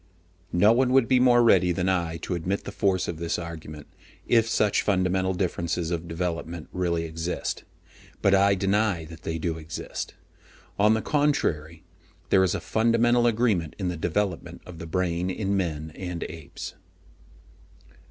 No one would be more ready than I to admit the force of this argument, if such fundamental differences of development really exist. But I deny that they do exist. On the contrary, there is a fundamental agreement in the development of the brain in men and apes.